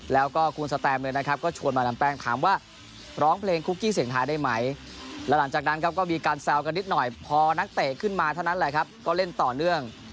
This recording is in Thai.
แล้วหลังจากนั้นก็มีการแซวกับนิดหน่อยพอนักเตะขึ้นมาเท่านั้น